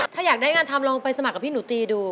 ถ้าอยากได้งานทำลองไปสมัครกับพี่หนูตีดู